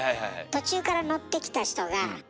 途中から乗ってきた人が「開く」